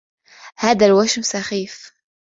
هذا الوشم سخيف.